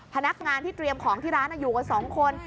พนักงานที่เตรียมของที่ร้านอยู่กัน๒คน